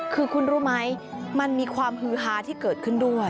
คือคุณรู้ไหมมันมีความฮือฮาที่เกิดขึ้นด้วย